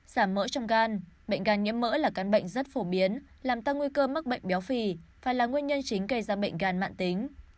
giảm mỡ trong gan bệnh gan nhiễm mỡ là căn bệnh rất phổ biến làm tăng nguy cơ mắc bệnh béo phì phải là nguyên nhân chính gây ra bệnh gan mạng tính